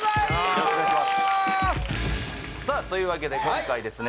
よろしくお願いしますさあというわけで今回ですね